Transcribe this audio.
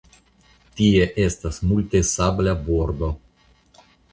Tie estas multe sabla bordo.